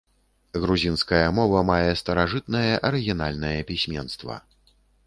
Грузінская мова мае старажытнае арыгінальнае пісьменства.